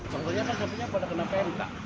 contohnya kan sapinya pada kena vmk